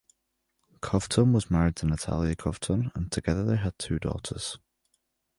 Kovtun was married to Natalia Kovtun and together they had two daughters.